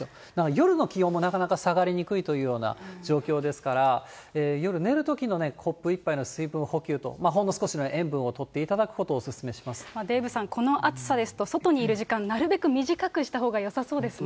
夜の気温もなかなか下がりにくいというような状況ですから、夜寝るときのコップ１杯の水分補給とほんの少しの塩分をとっていデーブさん、この暑さですと、外にいる時間、なるべく短くしたほうがよさそうですね。